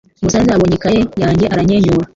Umusaza yabonye ikaye yanjye aranyenyura.